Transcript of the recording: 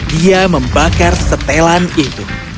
dia membakar setelan itu